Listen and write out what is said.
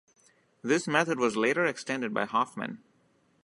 This method was later extended by Hoffman.